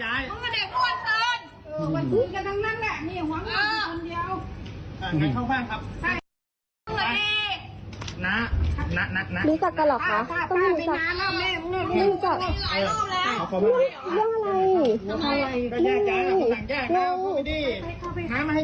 หวังหนึ่งคนเดียวอ่างั้นเข้าฝั่งครับใช่นักนักนักนักนักนักรู้จักกันหรอ